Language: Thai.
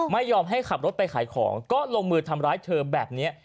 ไม่ยอมให้ขับรถไปขายของก็ลงมือทำร้ายเธอแบบนี้